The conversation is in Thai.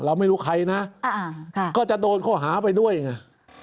เราไม่รู้ใครนะก็จะโดนข้อหาไปด้วยไง